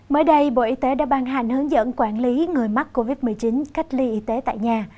mới đây bộ y tế đã ban hành hướng dẫn quản lý người mắc covid một mươi chín cách ly y tế tại nhà